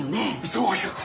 そういう事。